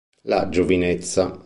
La giovinezza